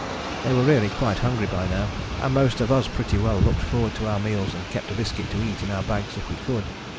They were really quite hungry by now, and most of us pretty well looked forward to our meals and kept a biscuit to eat in our bags if we could.